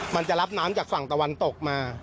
มันจะรับน้ำจากฝั่งตะวันตกมา